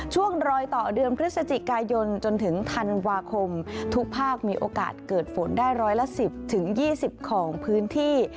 ช่วงรอยต่อเดือนพฤศจิกายนจนถึงธันวาคมทุกภาคมีโอกาสเกิดฝนได้ร้อยละ๑๐๒๐ของพื้นที่